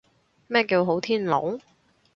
咩叫好天龍？